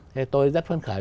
thế tôi rất phấn khởi